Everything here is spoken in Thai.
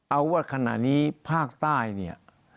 เอาว่าขณะนี้ภาคใต้เนี่ย